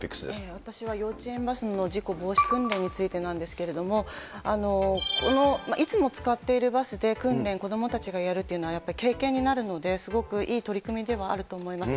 私は幼稚園バスの事故防止訓練についてなんですけれども、この、いつも使っているバスで訓練、子どもたちがやるっていうのはやっぱり経験になるので、すごくいい取り組みではあると思います。